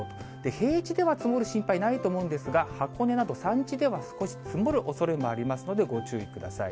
平地では積もる心配ないと思うんですが、箱根など、山地では少し積もるおそれもありますのでご注意ください。